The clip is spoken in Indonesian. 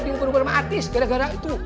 diukur sama artis gara gara itu